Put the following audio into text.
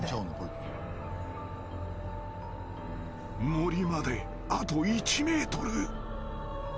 ［森まであと１ｍ］